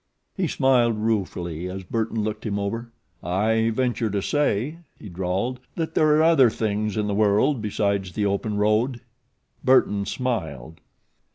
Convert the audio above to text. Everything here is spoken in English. He smiled ruefully as Burton looked him over. "I venture to say," he drawled, "that there are other things in the world besides the open road." Burton smiled.